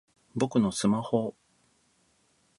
僕のスマホぉぉぉ！